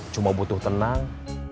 cuma butuh tenang